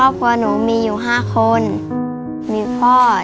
พ่อกับแม่ของหนูก็ไม่มีเงินพาน้องไปผ่าตัดค่ะ